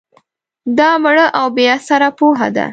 دا مړه او بې اثره پوهه ده